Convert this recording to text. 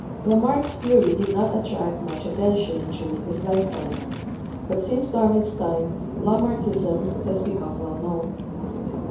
La marck's theory did not attract much attention during his lifetime, but since Darwin's time Lamarckism has become well known.